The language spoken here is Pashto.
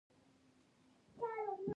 زه د اوبو ارزښت پېژنم.